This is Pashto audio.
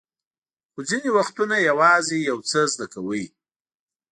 خو ځینې وختونه یوازې یو څه زده کوئ.